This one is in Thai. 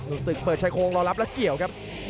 ตึกเปิดชายโครงรอรับแล้วเกี่ยวครับ